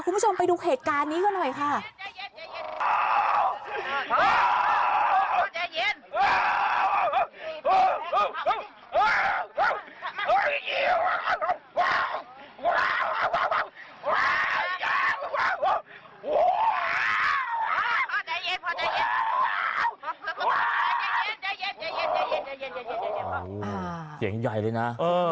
คุณผู้ชมไปดูเหตุการณ์นี้กันหน่อยค่ะ